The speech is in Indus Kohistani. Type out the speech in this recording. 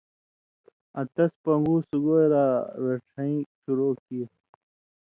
آں تس پنگُو سُگائ لا رڇھئیں شروع کیریۡ ۔